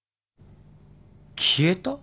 消えた？